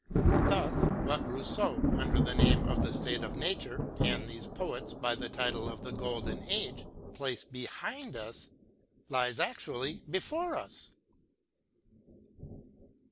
Thus what Rousseau, under the name of the State of Nature, and these poets by the title of the Golden Age, place behind us, lies actually before us.